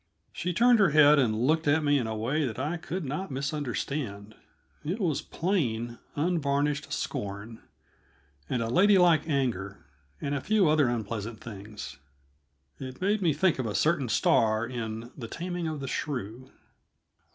She turned her head and looked at me in a way that I could not misunderstand; it was plain, unvarnished scorn, and a ladylike anger, and a few other unpleasant things. It made me think of a certain star in "The Taming of the Shrew."